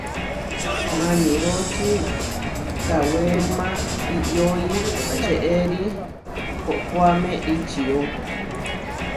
Maniroči kawéruma iʼyói čeʼéri koʼkoáme ičió.